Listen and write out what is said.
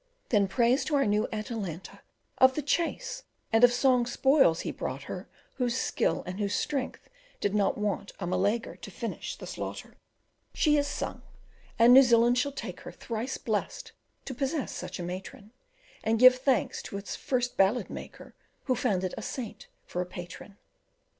Then praise to our new Atalanta, Of the chase and of song spoils be brought her, Whose skill and whose strength did not want a Meleager to finish the slaughter. She is sung, and New Zealand shall take her, Thrice blest to possess such a matron, And give thanks to its first ballad maker, Who found it a saint for a patron.